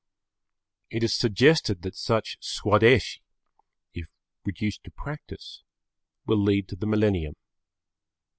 It is suggested that such Swadeshi, if reduced to practice, will lead to the millennium.